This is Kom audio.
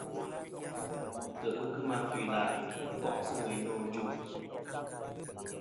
Bo ntè' ghɨ kemɨ atu-ila' ghɨ ko'sɨ ŋweyn nô ajuŋ.